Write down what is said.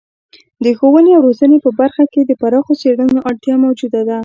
د ښوونې او روزنې په برخه کې د پراخو څیړنو اړتیا موجوده ده.